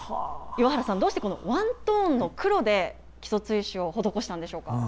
岩原さん、どうしてこのワントーンの黒で木曽堆朱を施したんでしょうか。